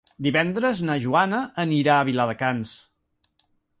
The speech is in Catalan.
Divendres na Joana anirà a Viladecans.